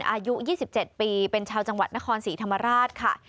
อายุ๒๗ปีเป็นชาวจังหวัดนครศรีธรรมราชค่ะ